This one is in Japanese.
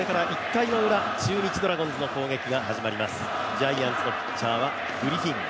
ジャイアンツのピッチャーはグリフィン。